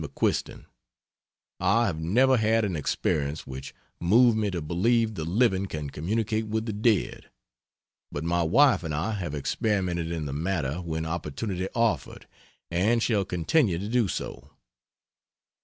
McQUISTON, I have never had an experience which moved me to believe the living can communicate with the dead, but my wife and I have experimented in the matter when opportunity offered and shall continue to do so.